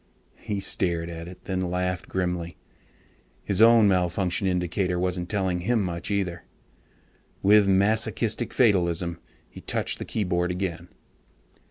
He stared at it, then laughed grimly. His own malfunction indicator wasn't telling him much either. With masochistic fatalism he touched the keyboard again.